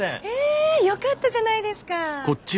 えよかったじゃないですか。